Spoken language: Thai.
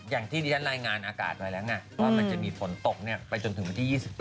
อย่างที่เรียนรายงานอากาศไว้แล้วไงว่ามันจะมีฝนตกไปจนถึงวันที่๒๘